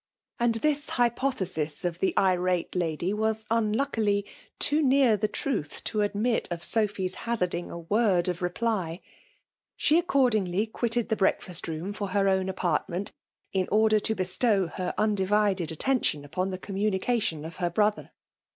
And this hypothesis of the irate lady was unluckily too near the truth, to admit of Softy's hazarding a word of reply. She ac cordingly quitted the breakfast room for her own apartment, in order to bestow her undi vided attention upon the communication of her brother.